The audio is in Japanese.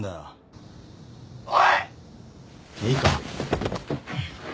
いいか？